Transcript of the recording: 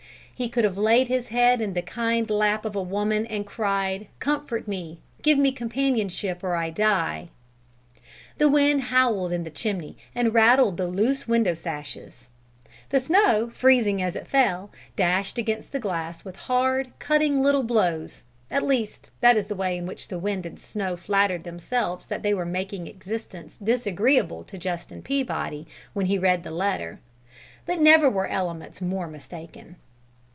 He could have laid his head in the kind lap of a woman and cried: "Comfort me! Give me companionship or I die!" The wind howled in the chimney and rattled the loose window sashes; the snow, freezing as it fell, dashed against the glass with hard, cutting little blows; at least, that is the way in which the wind and snow flattered themselves they were making existence disagreeable to Justin Peabody when he read the letter; but never were elements more mistaken.